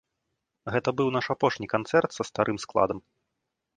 Гэта быў наш апошні канцэрт са старым складам.